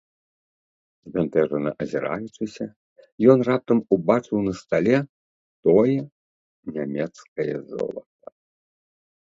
Збянтэжана азіраючыся, ён раптам убачыў на стале тое нямецкае золата.